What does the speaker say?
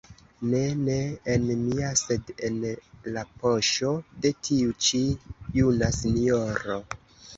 Ne, ne en mia, sed en la poŝo de tiu ĉi juna sinjoro.